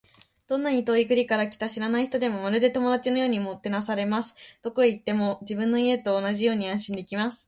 どんな遠い国から来た知らない人でも、まるで友達のようにもてなされます。どこへ行っても、自分の家と同じように安心できます。